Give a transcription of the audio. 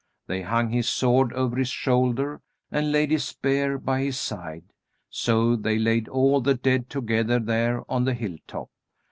They hung his sword over his shoulder and laid his spear by his side. So they laid all the dead together there on the hill top.